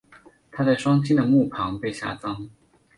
她在双亲的墓旁被下葬。